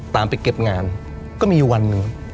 ไปเก็บงานก็มีวันหนึ่ง